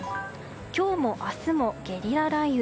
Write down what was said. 今日も明日もゲリラ雷雨。